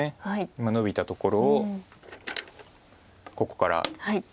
今ノビたところをここから。